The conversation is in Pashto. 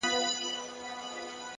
نیکي خاموشه خو تلپاتې اغېز لري!